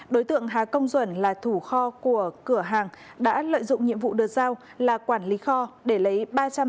đối tượng hà công duẩn là thủ kho của cửa hàng đã lợi dụng nhiệm vụ được giao là quản lý kho